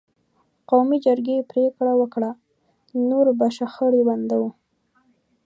قومي جرګې پرېکړه وکړه: نور به شخړې بندوو.